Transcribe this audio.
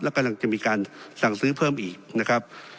แล้วกำลังจะมีการสั่งซื้อเพิ่มอีกนะครับ